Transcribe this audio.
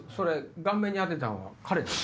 顔面に当てたんは彼です。